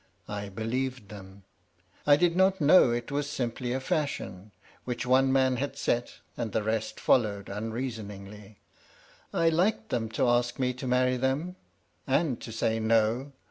I believed them. I did not know it was simply a fashion, which one man had set and the rest followed unreasoningly. I liked them to ask me to marry them, and to say, No.